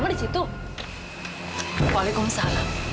beracun dengan amira